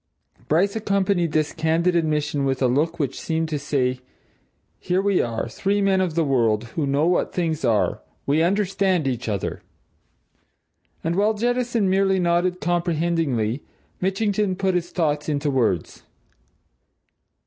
Bryce accompanied this candid admission with a look which seemed to say: Here we are, three men of the world, who know what things are we understand each other! And while Jettison merely nodded comprehendingly, Mitchington put his thoughts into words.